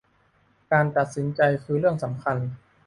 การตัดสินใจคือเรื่องสำคัญ